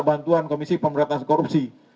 bantuan komisi pemberantasan korupsi